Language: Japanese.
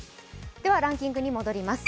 ではランキングに戻ります。